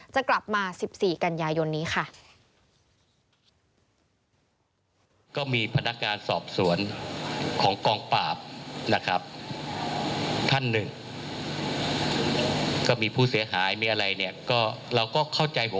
จะกลับมา๑๔กันยายนนี้ค่ะ